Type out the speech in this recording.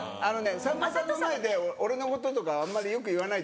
さんまさんの前で俺のこととかあんまり良く言わないで。